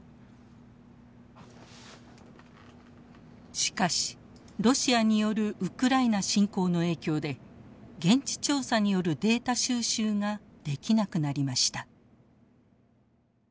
しかしロシアによるウクライナ侵攻の影響で現地調査によるデータ収集ができなくなりました。